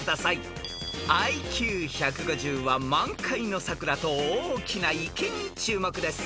［ＩＱ１５０は満開の桜と大きな池に注目です］